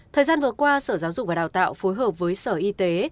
thời gian vừa qua sở giáo dục và đào tạo phối hợp với sở y tế